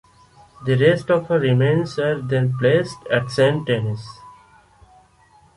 The rest of her remains were then placed at Saint-Denis.